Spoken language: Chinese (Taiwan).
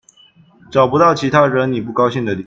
找不到其他惹你不高興的理由